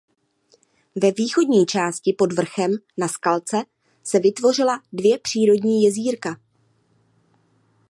Ve východní části pod vrchem Na skalce se vytvořila dvě přírodní jezírka.